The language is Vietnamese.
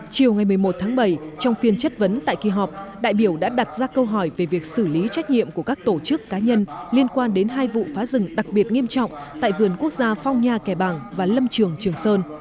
chiều ngày một mươi một tháng bảy trong phiên chất vấn tại kỳ họp đại biểu đã đặt ra câu hỏi về việc xử lý trách nhiệm của các tổ chức cá nhân liên quan đến hai vụ phá rừng đặc biệt nghiêm trọng tại vườn quốc gia phong nha kẻ bàng và lâm trường trường sơn